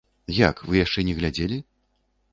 Як, вы яшчэ не глядзелі?